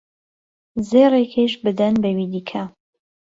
زێڕێکیش بدەن بەوی دیکە